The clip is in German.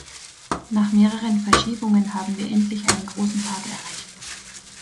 Nach mehreren Verschiebungen haben wir endlich einen großen Tag erreicht.